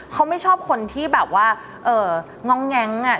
เขาไม่ชอบคนที่แบบว่าง้องแง้งอ่ะ